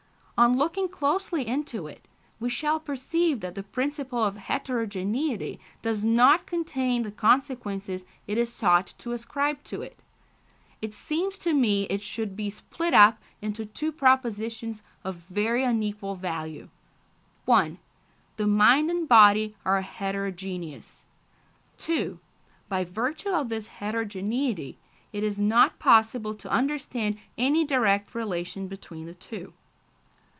On looking closely into it, we shall perceive that the principle of heterogeneity does not contain the consequences it is sought to ascribe to it. It seems to me it should be split up into two propositions of very unequal value: 1, the mind and body are heterogeneous; 2, by virtue of this heterogeneity it is not possible to understand any direct relation between the two.